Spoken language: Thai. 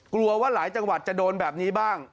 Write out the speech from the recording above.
กลัวว่าหลายจังหวัดจะโดนแบบนี้บ้าง